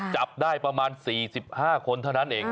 จับได้ประมาณ๔๕คนเท่านั้นเอง